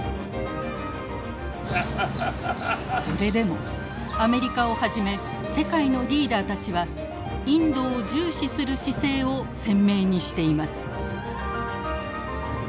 それでもアメリカをはじめ世界のリーダーたちはインドを重視する姿勢を鮮明にしています。